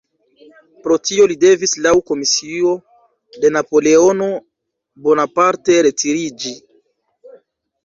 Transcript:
Pro tio li devis laŭ komisio de Napoleono Bonaparte retiriĝi.